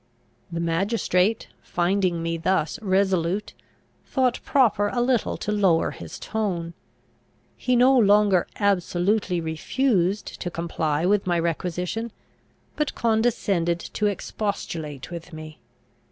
The magistrate, finding me thus resolute, thought proper a little to lower his tone. He no longer absolutely refused to comply with my requisition, but condescended to expostulate with me.